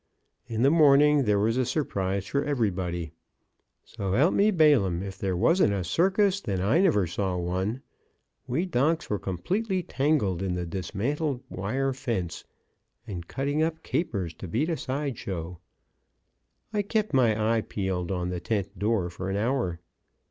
In the morning there was a surprise for everybody. S' help me Balaam! if there wasn't a circus, then I never saw one. We donks were completely tangled in the dismantled wire fence, and cutting up capers to beat a side show. I kept my eye peeled on the tent door for an hour.